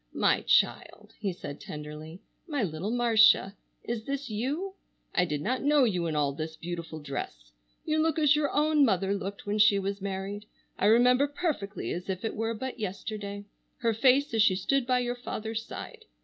"My child!" he said tenderly, "my little Marcia, is this you? I did not know you in all this beautiful dress. You look as your own mother looked when she was married. I remember perfectly as if it were but yesterday, her face as she stood by your father's side.